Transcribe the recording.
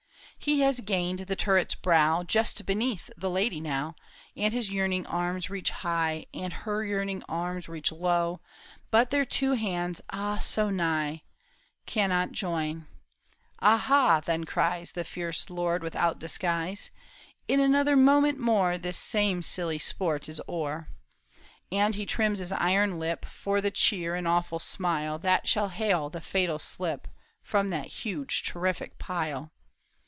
He has gained the turret's brow, Just beneath the lady now, And his yearning arms reach high. And her yearning arms reach low. But their two hands — ah, so nigh, Cannot join. " Ah ha !" then cries The fierce lord, without disguise, " In another moment more THE TOWER OF BOUVERIE. This same silly sport is o'er !" And he trims his iron lip For the chill and awful smile That shall hail the fatal slip From that huge terrific pile.